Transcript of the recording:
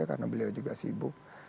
karena beliau juga sibuk